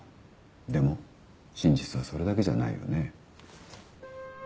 でも真実はそれだけじゃないよね。